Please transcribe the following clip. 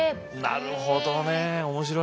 なるほどね面白いね。